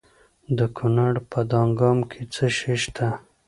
د کونړ په دانګام کې څه شی شته؟